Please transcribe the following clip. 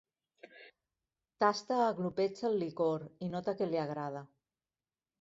Tasta a glopets el licor, i nota que li agrada.